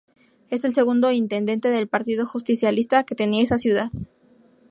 Es el segundo Intendente del Partido Justicialista que tenía esa ciudad.